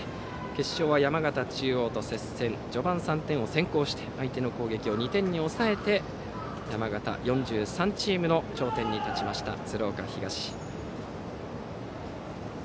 決勝は山形中央と接戦序盤３点を先行して相手の攻撃を２点に抑えて山形４３チームの頂点に立った鶴岡東。